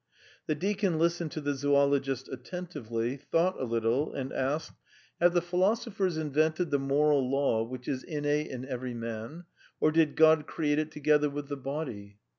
The deacon listened to the zoologist attentively, thought a little, and asked: "Have the philosophers invented the moral law which is innate in every man, or did God create it together with the body?"